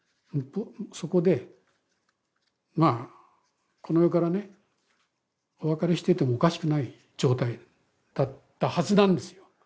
そこでまあこの世からねお別れしててもおかしくない状態だったはずなんですよ